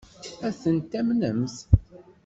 Ad tent-tamnemt?